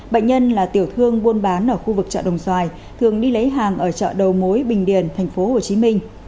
bệnh nhân là tiểu thương buôn bán ở khu vực chợ đồng xoài thường đi lấy hàng ở chợ đầu mối bình điền thành phố hồ chí minh